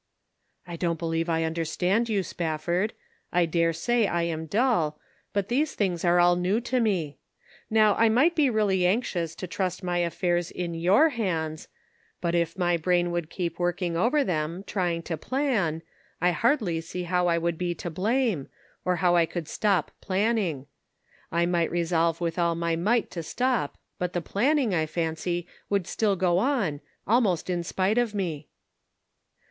" I don't believe I understand you, Spaf ford ; I dare say I am dull, but these things are all new to me. Now I might be really anxious to trust my affairs in your hands, 408 The Pocket Measure. but if my brain would keep working over them, trying to plan, I hardly see how I would be to blame, or how I could stop plan ning. I might resolve with all my might to stop, but the planning, I fancy, would still go on, almost in spite of me."